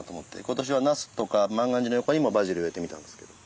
今年はナスとか万願寺の横にもバジル植えてみたんですけど。